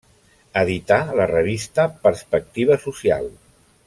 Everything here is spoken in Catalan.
Edità la revista Perspectiva Social.